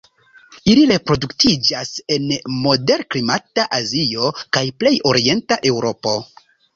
Ili reproduktiĝas en moderklimata Azio kaj plej orienta Eŭropo.